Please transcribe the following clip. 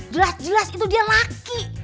jelas jelas itu dia laki